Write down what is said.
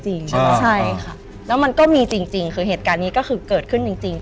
ใช่ค่ะแล้วมันก็มีจริงคือเหตุการณ์นี้ก็คือเกิดขึ้นจริง